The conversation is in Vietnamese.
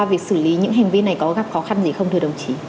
việc xử lý những hành vi này có gặp khó khăn gì không thưa đồng chí